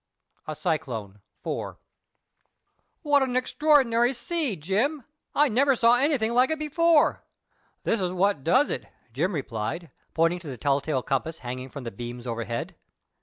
A CYCLONE.—IV. "What an extraordinary sea, Jim! I never saw anything like it before." "That is what does it," Jim replied, pointing to the tell tale compass hanging from the beams overhead.